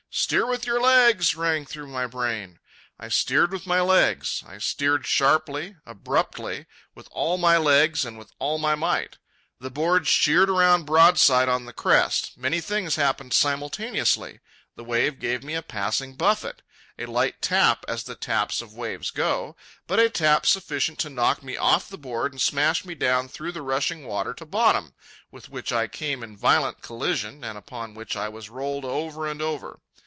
"Steer with your legs!" rang through my brain. I steered with my legs, I steered sharply, abruptly, with all my legs and with all my might. The board sheered around broadside on the crest. Many things happened simultaneously. The wave gave me a passing buffet, a light tap as the taps of waves go, but a tap sufficient to knock me off the board and smash me down through the rushing water to bottom, with which I came in violent collision and upon which I was rolled over and over.